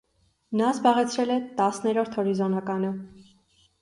Նա զբաղեցրել է տասներորդ հորիզոնականը։